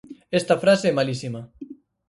Esta frase é malísima.